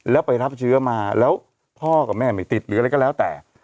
แล้วไปรับเชื้อมาแล้วพ่อกับแม่ไม่ติดหรืออะไรก็แล้วแต่